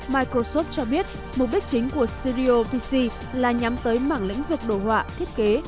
microsoft cho biết mục đích chính của studio pc là nhắm tới mảng lĩnh vực đồ họa thiết kế